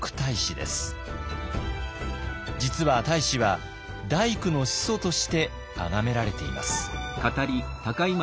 実は太子は大工の始祖としてあがめられています。